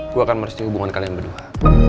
gue akan merestui hubungan kalian berdua